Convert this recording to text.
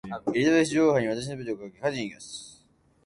エリザベス女王杯に私の全てをかけて勝ちにいきます。